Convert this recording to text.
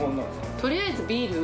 とりあえずビールを。